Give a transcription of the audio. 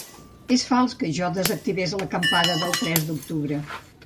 És fals que jo desactivés l’acampada del tres d’octubre.